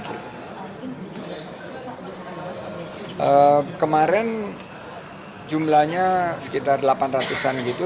kemarin jumlahnya sekitar delapan ratus an gitu